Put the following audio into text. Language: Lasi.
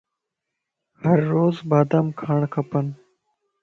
ھر روز بادام کاڻ کپن